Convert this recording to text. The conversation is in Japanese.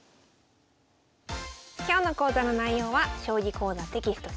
今日の講座の内容は「将棋講座」テキスト